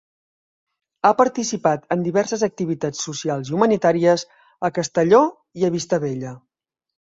Ha participat en diverses activitats socials i humanitàries a Castelló i a Vistabella.